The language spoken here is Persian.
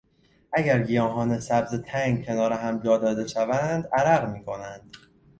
اگر گیاهان سبز تنگ کنار هم جا داده شوند عرق میکنند.